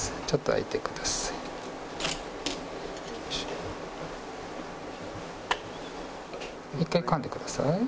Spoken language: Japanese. ちょっと開いてください。